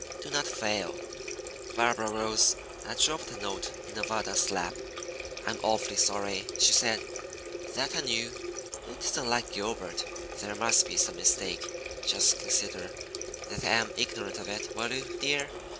Do not fail.'" Barbara rose and dropped the note in Nevada's lap. "I'm awfully sorry," she said, "that I knew. It isn't like Gilbert. There must be some mistake. Just consider that I am ignorant of it, will you, dear?